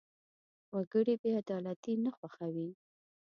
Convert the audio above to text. وګړي بېعدالتي نه خوښوي.